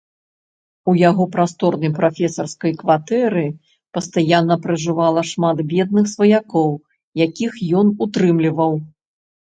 У яго прасторнай прафесарскай кватэры пастаянна пражывала шмат бедных сваякоў, якіх ён утрымліваў.